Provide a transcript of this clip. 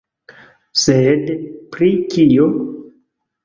Sed pri kio?